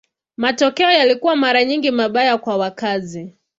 Matokeo yalikuwa mara nyingi mabaya kwa wakazi.